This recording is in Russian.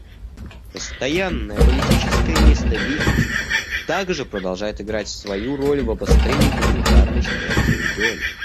Постоянная политическая нестабильность также продолжает играть свою роль в обострении гуманитарной ситуации в регионе.